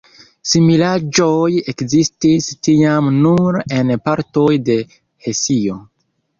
Similaĵoj ekzistis tiam nur en partoj de Hesio.